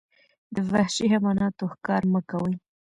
د وحشي حیواناتو ښکار مه کوئ.